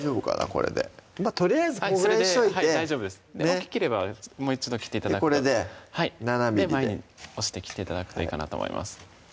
これでとりあえずこれぐらいにしといて大きければもう一度切って頂くかこれで前に押して切って頂くといいかなと思います